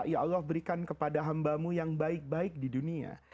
ya allah berikan kepada hambamu yang baik baik di dunia